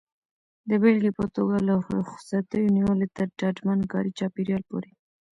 د بېلګې په توګه له رخصتیو نیولې تر ډاډمن کاري چاپېریال پورې.